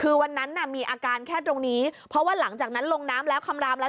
คือวันนั้นน่ะมีอาการแค่ตรงนี้เพราะว่าหลังจากนั้นลงน้ำแล้วคำรามแล้ว